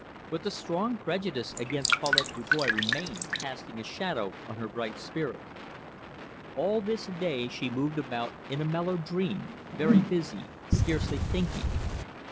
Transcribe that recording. But the strong prejudice against Paulette Dubois remained, casting a shadow on her bright spirit. All this day she had moved about in a mellow dream, very busy, scarcely thinking.